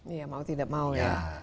iya mau tidak mau ya